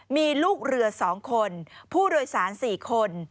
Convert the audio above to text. มีลูกเรือ๒คนผู้โดยสาร๔คน